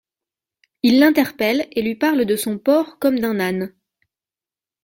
Il l'interpelle et lui parle de son porc comme d'un âne.